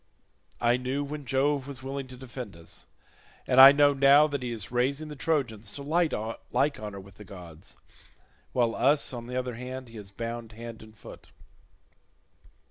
I knew when Jove was willing to defend us, and I know now that he is raising the Trojans to like honour with the gods, while us, on the other hand, he has bound hand and foot.